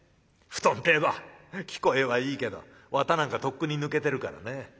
布団って言えば聞こえはいいけど綿なんかとっくに抜けてるからね。